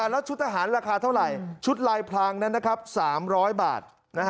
แล้วชุดทหารราคาเท่าไหร่ชุดลายพลางนั้นนะครับ๓๐๐บาท